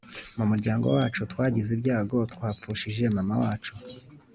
Mumuryango wacu twagize ibyago twapfushije mama wacu